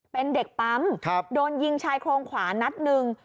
เป็นเด็กปั๊มโดนยิงชายโครงขวานัดหนึ่ง